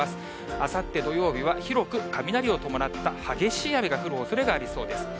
あさって土曜日は広く雷を伴った激しい雨が降るおそれがありそうです。